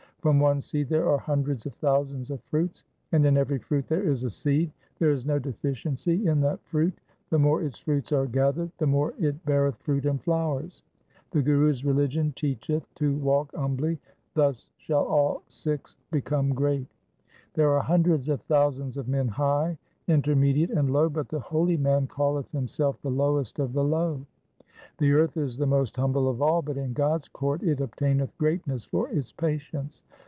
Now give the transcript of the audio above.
From one seed there are hundreds of thousands of fruits, and in every fruit there is a seed. There is no deficiency in that fruit. The more its fruits are gathered, the more it beareth fruit and flowers. The Guru's religion teacheth to walk humbly, thus shall all Sikhs become great? There are hundreds of thousands of men high, intermediate, and low, but the holy man calleth himself the lowest of the low. 4 The earth is the most humble of all, but in God's court it obtaineth greatness for its patience.